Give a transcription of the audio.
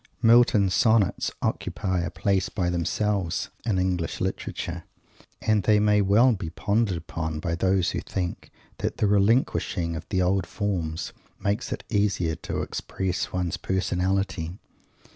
Milton's Sonnets occupy a place by themselves in English Literature, and they may well be pondered upon by those who think that the relinquishing of the "old forms" makes it easier to express one's personality.